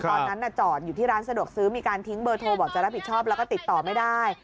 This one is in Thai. ตอนนั้นจอดอยู่ที่ร้านสะดวกซื้อมีการทิ้งเบอร์โทรบอกจะรับผิดชอบแล้วก็ติดต่อไม่ได้